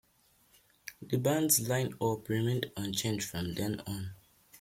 The band's lineup remained unchanged from then on.